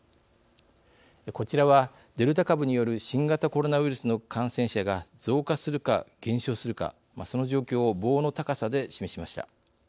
こちらは、デルタ株による新型コロナウイルスの感染者が増加するか、減少するかその状況を棒の高さで示しました。